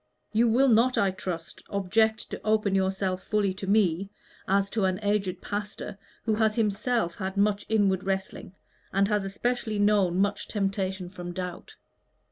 You will not, I trust, object to open yourself fully to me, as to an aged pastor who has himself had much inward wrestling, and has especially known much temptation from doubt."